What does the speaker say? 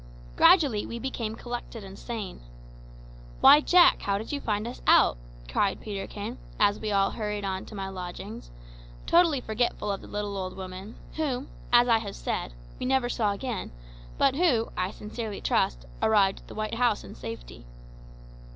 Gradually we became collected and sane. "Why, Jack, how did you find us out?" cried Peterkin, as we all hurried on to my lodgings, totally forgetful of the little old woman, whom, as I have said, we never saw again, but who, I sincerely trust, arrived at the white house in safety.